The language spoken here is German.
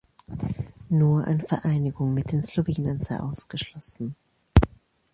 Nur eine Vereinigung mit den Slowenen sei ausgeschlossen.